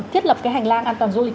thiết lập cái hành lang an toàn du lịch